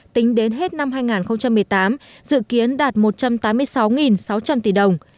tính đến hết năm hai nghìn một mươi tám dự kiến đạt một trăm tám mươi sáu sáu trăm linh tỷ đồng